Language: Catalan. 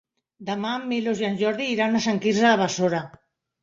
Demà en Milos i en Jordi iran a Sant Quirze de Besora.